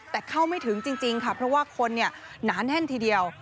แต่เข้าไม่ถึงจริงค่ะเพราะว่าคนหนาแน่นทีเดียว